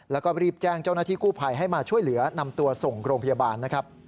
แล้วก็รีบแจ้งเจ้าหน้าที่กู้ภัยให้มาช่วยเหลือนำตัวส่งโรงพยาบาลนะครับ